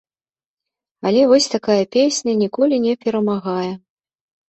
Але вось такая песня ніколі не перамагае.